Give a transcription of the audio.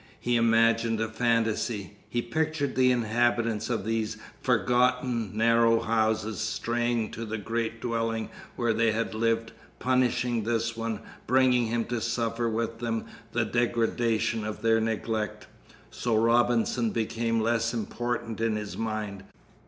He imagined a fantasy. He pictured the inhabitants of these forgotten, narrow houses straying to the great dwelling where they had lived, punishing this one, bringing him to suffer with them the degradation of their neglect. So Robinson became less important in his mind.